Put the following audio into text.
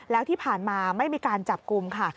แล้วที่ผ่านมาไม่มีการจับกลุ่มค่ะ